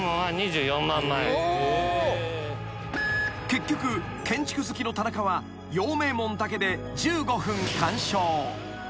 ［結局建築好きの田中は陽明門だけで１５分鑑賞］